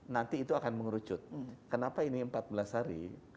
nanti itu akan mengerucut kenapa ini empat belas hari